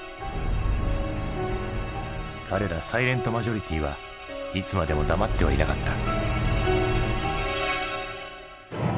彼らサイレント・マジョリティはいつまでも黙ってはいなかった。